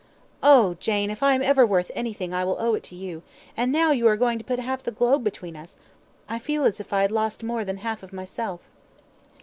Oh! Jane, if I am ever worth anything I will owe it to you, and now you are going to put half the globe between us, I feel as if I had lost more than half of myself."